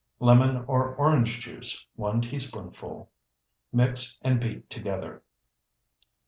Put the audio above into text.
Lemon or orange juice, 1 teaspoonful. Mix and beat together.